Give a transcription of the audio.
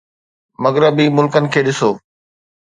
مغربي ملڪن کي ڏسو